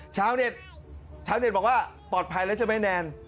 ชาวเน็ตชาวเน็ตบอกว่าปลอดภัยแล้วใช่ไหมแนน